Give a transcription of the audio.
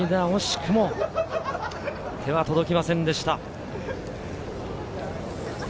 くも手が届きませんでした。